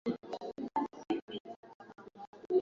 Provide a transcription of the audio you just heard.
wowote Kuondoka msituni nikiwa peke yangu Antonio